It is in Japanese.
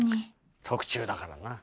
特注だからな。